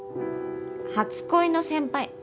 初恋の先輩。